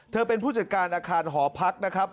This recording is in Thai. เป็นผู้จัดการอาคารหอพักนะครับ